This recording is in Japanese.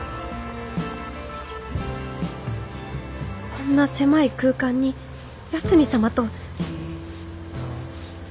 こんな狭い空間に八海サマと！